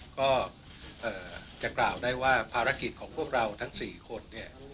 ก็จะกล่าวได้ว่าภารกิจของพวกเราทั้ง๔คนเนี่ย